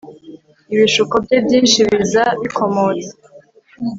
Ibishuko bye byinshi biza bikomotse